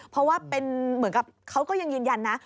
เพราะว่าเป็นเหมือนกับเขาก็ยังยืนยันนะ